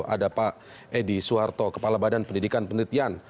ada pak edi suharto kepala badan pendidikan penelitian